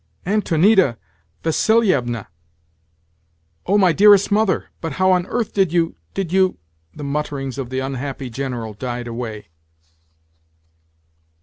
"Antonida Vassilievna! O my dearest mother! But how on earth did you, did you—?" The mutterings of the unhappy General died away.